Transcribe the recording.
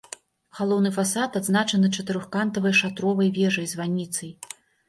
Галоўны фасад адзначаны чатырохкантовай шатровай вежай-званіцай.